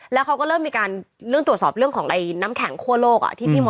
แล้วเริ่มมีการตรวจสอบเรื่องของน้ำแข็งคั่วโลก